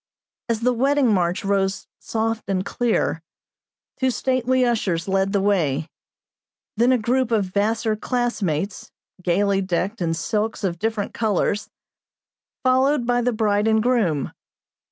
As the wedding march rose soft and clear, two stately ushers led the way; then a group of Vassar classmates, gayly decked in silks of different colors, followed by the bride and groom.